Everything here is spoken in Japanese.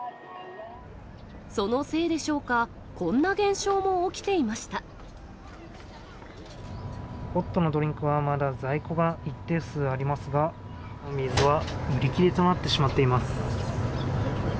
そのせいでしょうか、ホットのドリンクはまだ在庫が一定数ありますが、水は売り切れとなってしまっています。